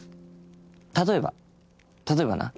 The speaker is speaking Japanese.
例えば例えばな。